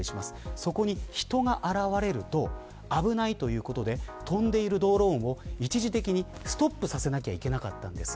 そこに人が現れると危ないということで飛んでいるドローンを一時的にストップさせなくてはいけませんでした。